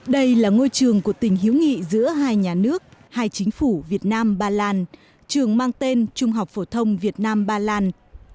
đây là ngôi trường của tình hữu nghị giữa hai nhà nước hai chính phủ việt nam ba lan trường mang tên trung học phổ thông việt nam ba lan